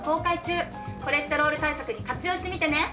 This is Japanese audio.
コレステロール対策に活用してみてね。